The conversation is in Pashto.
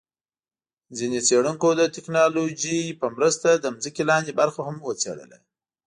ځیني څېړونکو د ټیکنالوجۍ په مرسته د ځمکي لاندي برخه هم وڅېړله